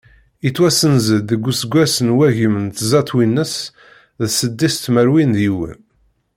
Yettwasenz-d deg useggas n wagim d tẓa twinas d seddis tmerwin d yiwen.